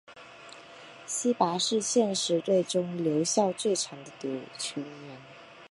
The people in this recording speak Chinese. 希拔是现时队中留效最长的球员。